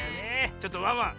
ちょっとワンワン！